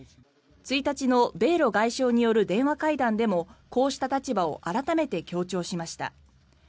１日の米ロ外相による電話会談でもこうした立場を改めて強調しました。